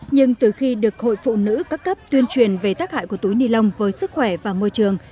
nhưng từ khi được hội phụ nữ các cấp tuyên truyền về tác hại của túi ni lông với sức khỏe và môi trường